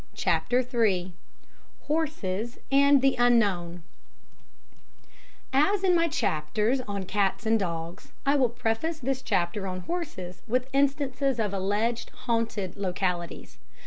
CHAPTER III HORSES AND THE UNKNOWN As in my chapters on cats and dogs, I will preface this chapter on horses with instances of alleged haunted localities.